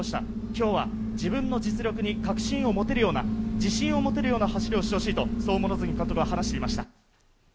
きょうは自分の実力に確信を持てるような、自信を持てるような走りをしてほしいと、そう両角監督は話していました。